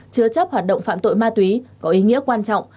chứa chấp hoạt động phạm tội ma túy có ý nghĩa quan trọng